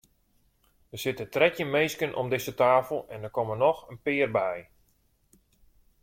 Der sitte trettjin minsken om dizze tafel en der komme noch in pear by.